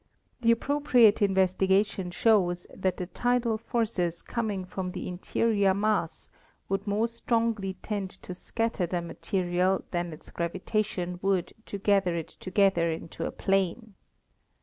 The appropriate investigation shows that the tidal forces coming from the interior mass would more strongly tend to scatter the material than its gravita tion would to gather it together into a plane.